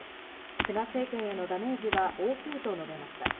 菅政権へのダメージは大きいと述べました。